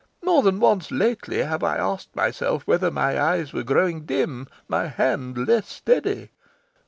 More than once lately have I asked myself whether my eyes were growing dim, my hand less steady.